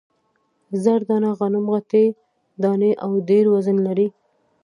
زر دانه غنم غټې دانې او ډېر وزن لري.